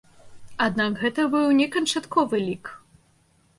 Аднак гэта быў не канчатковы лік.